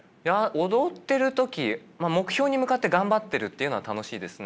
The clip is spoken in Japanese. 踊ってる時目標に向かって頑張ってるっていうのは楽しいですね。